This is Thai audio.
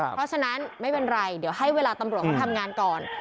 เพราะฉะนั้นไม่เป็นไรเดี๋ยวให้เวลาตำรวจเขาทำงานก่อน